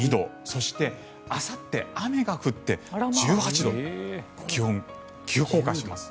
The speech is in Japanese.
そしてあさって雨が降って１８度気温、急降下します。